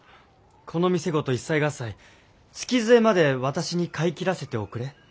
この見世ごと一切合財月末まで私に買い切らせておくれ。